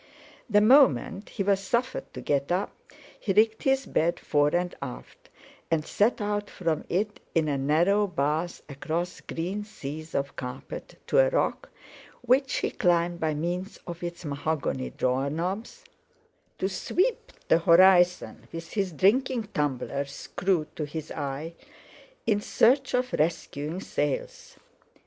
The moment he was suffered to get up, he rigged his bed fore and aft, and set out from it in a narrow bath across green seas of carpet, to a rock, which he climbed by means of its mahogany drawer knobs, to sweep the horizon with his drinking tumbler screwed to his eye, in search of rescuing sails.